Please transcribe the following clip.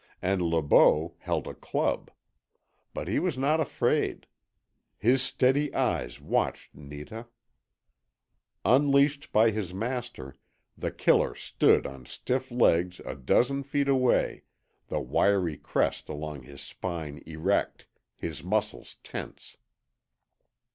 And Le Beau held a club. But he was not afraid. His steady eyes watched Netah. Unleashed by his master, The Killer stood on stiff legs a dozen feet away, the wiry crest along his spine erect, his muscles tense.